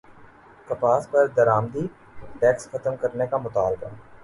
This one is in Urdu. کپاس پر درامدی ٹیکس ختم کرنے کا مطالبہ